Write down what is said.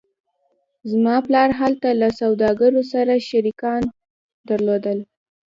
زما پلار هلته له سوداګرو سره شریکان درلودل